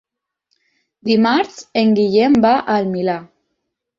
Dimarts en Guillem va al Milà.